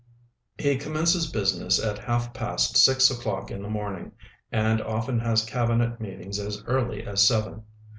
He commences business at half past six o'clock in the morning, and often has cabinet meetings as early as seven.